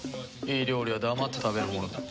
いい料理は黙って食べるものだ。